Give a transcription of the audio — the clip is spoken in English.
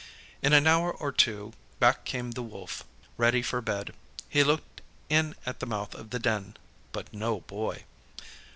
In an hour or two back came the Wolf, ready for bed. He looked in at the mouth of the den, but no Boy.